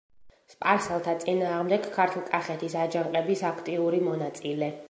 სპარსელთა წინააღმდეგ ქართლ-კახეთის აჯანყების აქტიური მონაწილე.